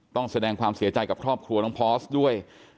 ต้องแสดงความเสียใจกับครอบครัวน้องพอสด้วย